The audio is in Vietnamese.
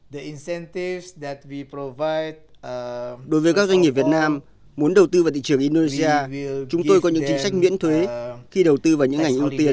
đối với các doanh nghiệp việt nam muốn đầu tư vào thị trường indonesia chúng tôi có những chính sách miễn thuế khi đầu tư vào những ngành ưu tiên